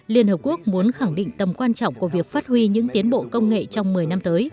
liên hợp quốc muốn khẳng định tầm quan trọng của việc phát huy những tiến bộ công nghệ trong một mươi năm tới